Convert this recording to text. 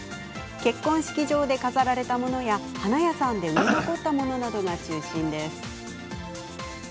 結婚式場で飾られたものや花屋さんで売れ残ったものなどが中心です。